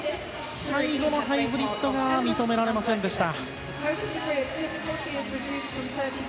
最後のハイブリッドが認められませんでした。